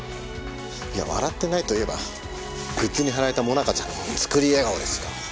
いや笑ってないといえばグッズに貼られた萌奈佳ちゃんの作り笑顔ですよ。